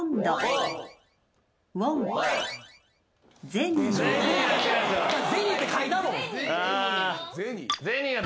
ゼニーって書いたもん。